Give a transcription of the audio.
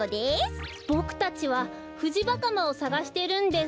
ボクたちはフジバカマをさがしてるんです。